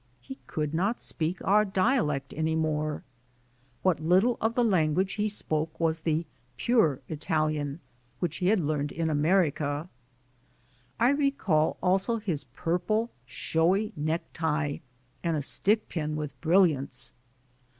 He could not speak our dialect any more. What little of the language he spoke was the pure Italian, which he had learned in America. I recall also his purple, showy necktie, and a stickpin with bril liants.